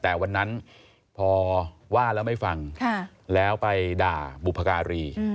แต่วันนั้นพอว่าแล้วไม่ฟังแล้วไปด่าบุพการี